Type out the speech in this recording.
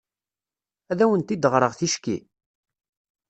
Ad awent-d-ɣreɣ ticki?